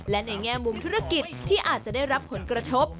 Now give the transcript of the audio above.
และในแง่มุมธุรกิจที่อาจจะได้รับผลกระทบ